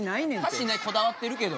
歌詞ないこだわってるけど。